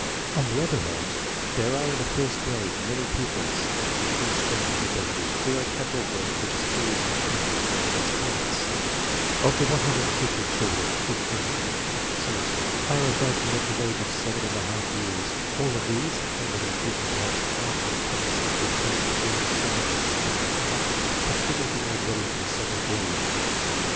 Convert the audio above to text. On the other hand, there are in the first grade many pupils of the other extreme of ability who are kept at work which is too easy to command their best efforts. Of the 150 children, 15 (10 per cent) are above the mental age of 7 years. All of these, and in addition perhaps half of the 26 who tested between 7 and 7J, could quickly be made ready for the second grade.